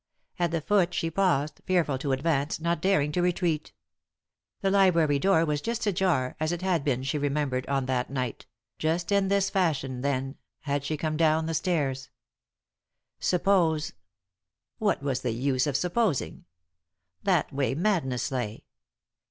At the foot she paused, fearful to advance, not daring to retreat The library door was just 191 3i 9 iii^d by Google THE INTERRUPTED KISS ajar, as it had been, she remembered, on that night — just in this fashion, then, had she come down the stairs. Suppose — what was the use of supposing ? That way madness lay.